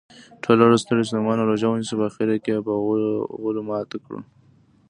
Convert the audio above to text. ټوله ورځ ستړي ستوماته روژه ونیسو په اخرکې یې په غولو ماته کړو.